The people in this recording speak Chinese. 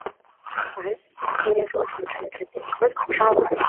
元末与兄廖永安在巢湖结寨自保。